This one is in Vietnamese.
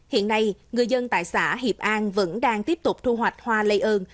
hiện nay người dân tại xã hiệp an vẫn đang tiếp tục thu hoạch hoa lây ơn